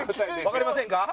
わかりませんか？